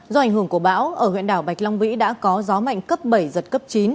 do ảnh hưởng của bão ở huyện đảo bạch long vĩ đã có gió mạnh cấp bảy giật cấp chín